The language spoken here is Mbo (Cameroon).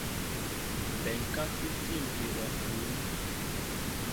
Bɛnká sí tîpi wɛ alúm.